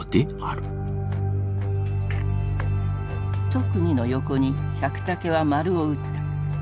「特に」の横に百武はマルを打った。